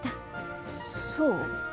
そう？